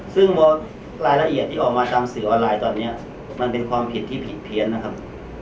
ซึ่งรายละเอียดที่ออกมาทางสื่อออนไลน์ตอนนี้มันเป็นความผิดที่ผิดเพี้ยนนะครับ